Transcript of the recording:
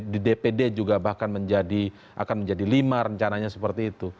di dpd juga bahkan akan menjadi lima rencananya seperti itu